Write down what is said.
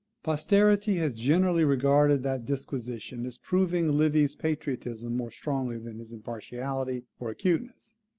Posterity has generally regarded that disquisition as proving Livy's patriotism more strongly than his impartiality or acuteness.